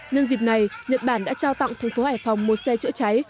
nhân dịp này nhật bản đã trao tặng thành phố hải phòng một xe chữa cháy